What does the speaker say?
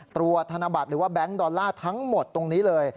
ธนบัตรหรือว่าแบงค์ดอลลาร์ทั้งหมดตรงนี้เลย